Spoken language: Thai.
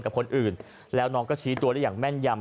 กับคนอื่นแล้วนำพวกมันก็ชี้ตัวได้อย่างแม่งย่ำ